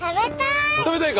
食べたい！